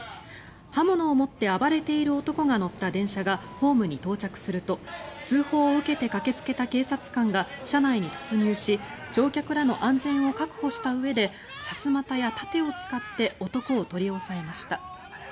刃物を持って暴れている男が乗った電車がホームに到着すると通報を受けて駆けつけた警察官が車内に突入し乗客らの安全を確保したうえでさすまたや盾を使って男を取り押さえました。